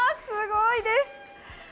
すごいです。